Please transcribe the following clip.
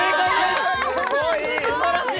すばらしい！